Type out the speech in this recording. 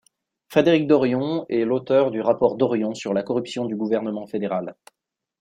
Frédéric Dorion est l'auteur du rapport Dorion sur la corruption du gouvernement fédéral.